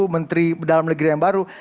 menteri dalam negeri yang baru